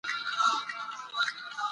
دا هغه کتاب دی چې ما پرون واخیست.